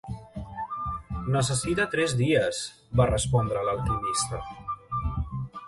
"Necessita tres dies", va respondre l'alquimista.